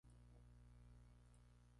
Es un nervio aferente de tipo sensorial.